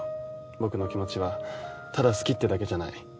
僕の気持ちはただ好きっていうだけじゃない。